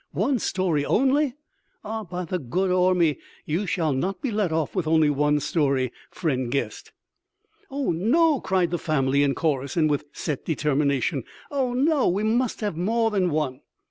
One story only? Ah, by the good Ormi, you shall not be let off with only one story, friend guest!" "Oh, no!" cried the family in chorus and with set determination. "Oh, no! We must have more than one!"